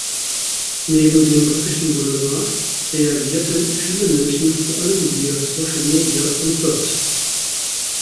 Neben dem britischen Boulevard reagierten viele Menschen vor allem via Social Media empört.